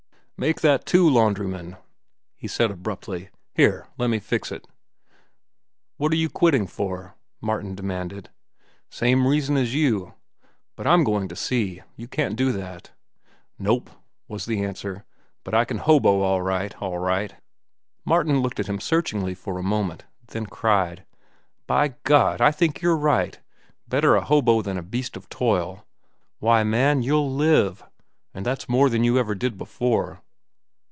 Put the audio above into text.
"Make that two laundrymen," he said abruptly. "Here, lemme fix it." "What are you quitting for?" Martin demanded. "Same reason as you." "But I'm going to sea. You can't do that." "Nope," was the answer, "but I can hobo all right, all right." Martin looked at him searchingly for a moment, then cried: "By God, I think you're right! Better a hobo than a beast of toil. Why, man, you'll live. And that's more than you ever did before."